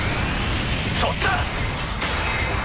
取った！